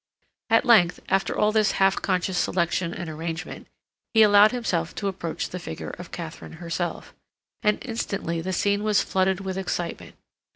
At length, after all this half conscious selection and arrangement, he allowed himself to approach the figure of Katharine herself; and instantly the scene was flooded with excitement.